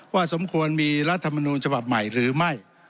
สมควรมีรัฐมนูลฉบับใหม่หรือไม่